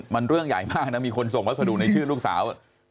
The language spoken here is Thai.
มันเรื่องใหญ่มากนะมีคนส่งวัสดุในชื่อลูกสาว